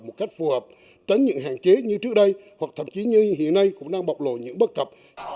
một cách phù hợp tránh những hạn chế như trước đây hoặc thậm chí như hiện nay cũng đang bộc lộ những bất cập